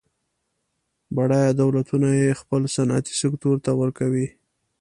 بډایه دولتونه یې خپل صنعتي سکتور ته ورکوي.